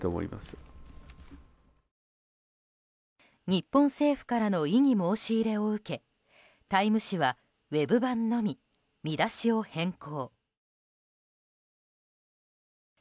日本政府からの異議申し入れを受け「タイム」誌はウェブ版のみ見出しを変更。